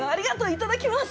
いただきます！